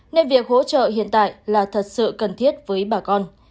nên việc hỗ trợ hiện tại là thật sự cần thiết với bà con